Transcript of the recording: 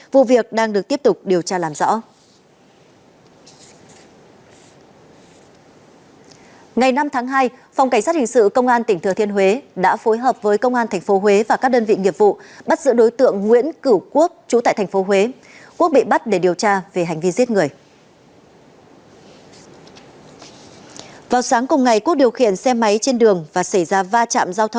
vụ việc đang được tiếp tục điều tra làm rõ